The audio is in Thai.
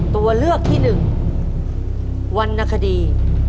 ตัวเลือกที่หนึ่งวรรณคดี